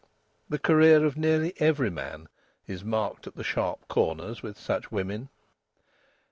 The career of nearly every man is marked at the sharp corners with such women.